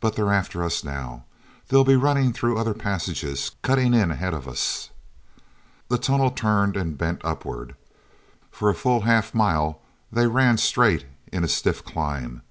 But they're after us now. They'll be running through other passages, cutting in ahead of us." The tunnel turned and bent upward. For a full half mile they ran straight in a stiff climb.